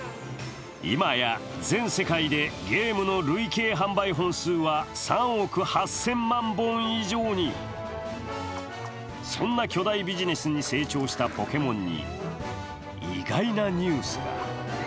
今や全世界でゲームの累計販売本数は３億８０００万本以上にそんな巨大ビジネスに成長したポケモンに意外なニュースが。